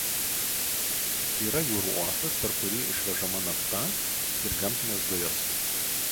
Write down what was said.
Yra jūrų uostas per kurį išvežama nafta ir gamtinės dujos.